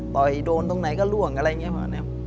ต่อยโดนตรงไหนก็ล่วงอะไรอย่างนี้